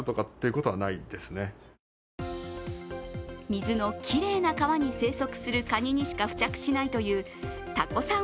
水のきれいな川に生息するカニにしか付着しないというたこさん